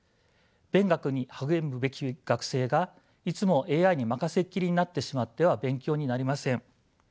勉学に励むべき学生がいつもＡＩに任せっ切りになってしまっては勉強になりません。